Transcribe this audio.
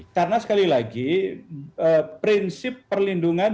karena sekali lagi prinsip perlindungan